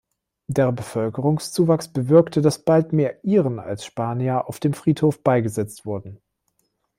Der Bevölkerungszuwachs bewirkte, das bald mehr Iren als Spanier auf dem Friedhof beigesetzt wurden.